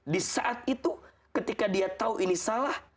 di saat itu ketika dia tahu ini salah